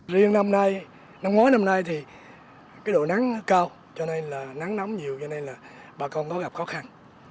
riêng năm nay năm ngoái năm nay thì cái độ nắng cao cho nên là nắng nóng nhiều cho nên là bà con nó gặp khó khăn